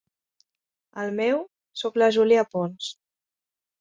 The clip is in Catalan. El meu, soc la Júlia Pons.